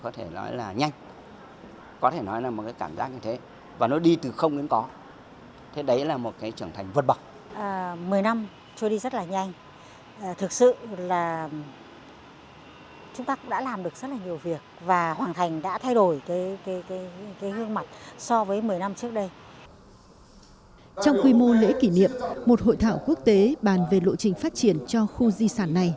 trong quy mô lễ kỷ niệm một hội thảo quốc tế bàn về lộ trình phát triển cho khu di sản này